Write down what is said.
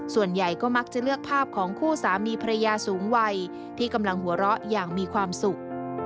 ส่วนใหญ่ก็มักจะเลือกภาพของคู่สามีภรรยาสูงวัยที่กำลังหัวเราะอย่างมีความสุข